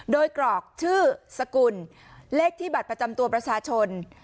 โดยกรอกชื่อสกุลเลขที่บัตรประจำตัวประชาชน